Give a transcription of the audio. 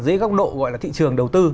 dưới góc độ gọi là thị trường đầu tư